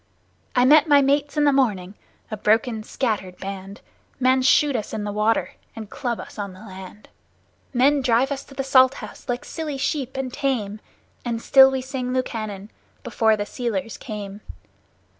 I met my mates in the morning, a broken, scattered band. Men shoot us in the water and club us on the land; Men drive us to the Salt House like silly sheep and tame, And still we sing Lukannon before the sealers came.